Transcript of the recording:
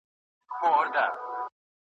چا د مشر چا د کشر دا منلي ,